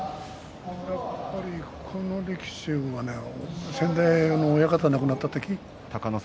やっぱりこの力士は先代、親方が亡くなった時。